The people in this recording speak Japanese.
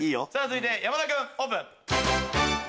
続いて山田君オープン！